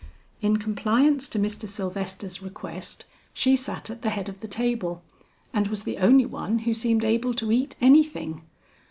In compliance to Mr. Sylvester's request, she sat at the head of the table, and was the only one who seemed able to eat anything.